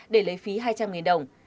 để lấy phí hai trăm linh nghìn đồng